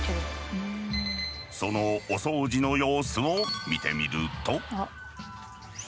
そのお掃除の様子を見てみると。